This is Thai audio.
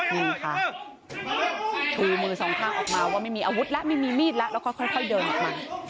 นี่ค่ะชูมือสองข้างออกมาว่าไม่มีอาวุธแล้วไม่มีมีดแล้วแล้วก็ค่อยเดินออกมา